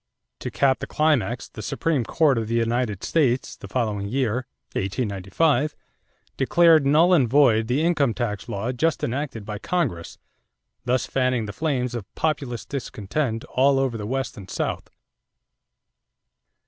To cap the climax the Supreme Court of the United States, the following year (1895) declared null and void the income tax law just enacted by Congress, thus fanning the flames of Populist discontent all over the West and South.